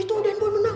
itu den boy menang